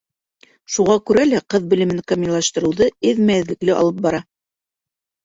Шуға күрә лә ҡыҙ белемен камиллаштырыуҙы эҙмә-эҙлекле алып бара.